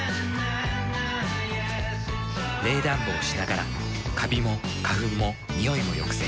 冷暖房しながらカビも花粉もニオイも抑制。